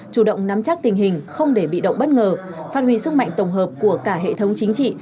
chủ động nắm chắc tình hình không để bị động bất ngờ phát huy sức mạnh tổng hợp của cả hệ thống chính trị